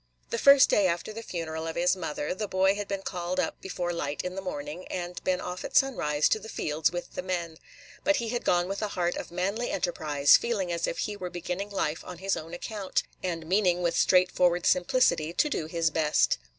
The first day after the funeral of his mother, the boy had been called up before light in the morning, and been off at sunrise to the fields with the men; but he had gone with a heart of manly enterprise, feeling as if he were beginning life on his own account, and meaning, with straightforward simplicity, to do his best.